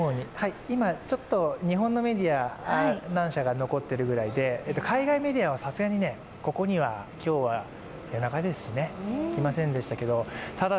日本のメディア、何社か残ってるくらいで海外メディアはさすがにここには夜中ですし来ませんでしたがただ、